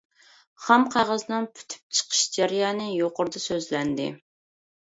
خام قەغەزنىڭ پۈتۈپ چىقىش جەريانى يۇقىرىدا سۆزلەندى.